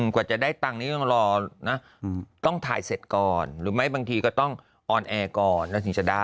กว่าจะได้ตังค์นี้ต้องรอนะต้องถ่ายเสร็จก่อนหรือไม่บางทีก็ต้องออนแอร์ก่อนแล้วถึงจะได้